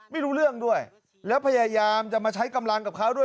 ไม่รู้เรื่องด้วยแล้วพยายามจะมาใช้กำลังกับเขาด้วย